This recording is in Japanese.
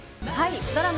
ドラマ